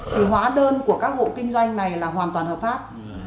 thì hóa đơn của các hộ kinh doanh này là hoàn toàn hợp pháp